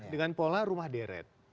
dengan pola rumah deret